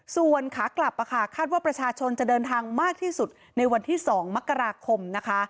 ส่วนขากลับคาดว่าประชาชนจะเดินทางมากที่สุดในวันที่๒มกราคมนะคะ